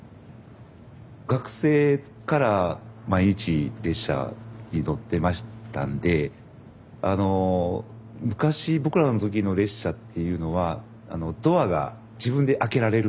学生から毎日列車に乗ってましたんで昔僕らの時の列車っていうのはドアが自分で開けられるんですよね。